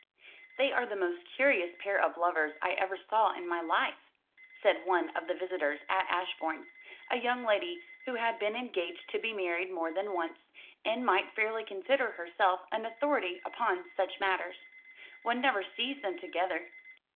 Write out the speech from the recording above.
"They are the most curious pair of lovers I ever saw in my life," said one of the visitors at Ashbourne, a young lady who had been engaged to be married more than once, and might fairly consider herself an authority upon such matters. "One never sees them together."